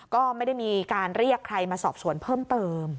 ก็ไม่ได้มีการเรียกใครมาสอบสวนเพิ่มเติม